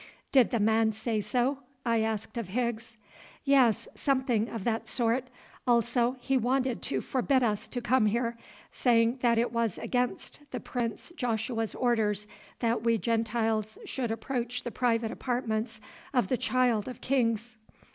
"Did the man say so?" I asked of Higgs. "Yes, something of that sort; also he wanted to forbid us to come here, saying that it was against the Prince Joshua's orders that we Gentiles should approach the private apartments of the Child of Kings.